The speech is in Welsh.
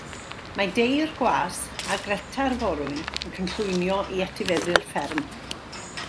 Mae Dei'r gwas a Greta'r forwyn yn cynllwynio i etifeddu'r fferm.